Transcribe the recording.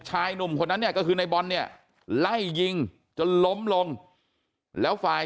ชายหนุ่มคนนั้นเนี่ยก็คือในบอลเนี่ยไล่ยิงจนล้มลงแล้วฝ่าย